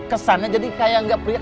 kesannya jadi kayak gak perut belukan aja